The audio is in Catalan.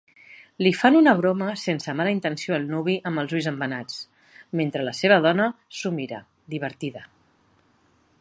Li fan una broma sense mala intenció al nuvi amb els ulls embenats, mentre la seva nova dona s'ho mira, divertida.